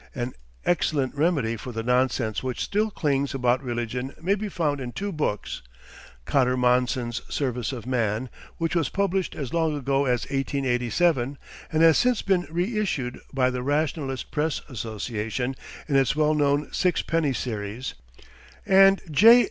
An excellent remedy for the nonsense which still clings about religion may be found in two books: Cotter Monson's 'Service of Man,' which was published as long ago as 1887, and has since been re issued by the Rationalist Press Association in its well known sixpenny series, and J.